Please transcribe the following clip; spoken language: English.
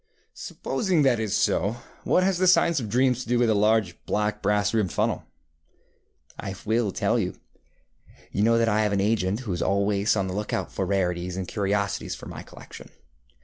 ŌĆØ ŌĆ£Supposing that is so, what has the science of dreams to do with a large black brass rimmed funnel? ŌĆØ ŌĆ£I will tell you. You know that I have an agent who is always on the lookout for rarities and curiosities for my collection.